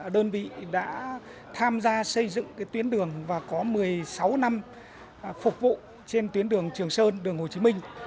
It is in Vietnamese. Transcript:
đơn vị đã tham gia xây dựng tuyến đường và có một mươi sáu năm phục vụ trên tuyến đường trường sơn đường hồ chí minh